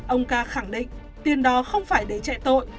ông ca khẳng định tiền đó không phải để chạy tội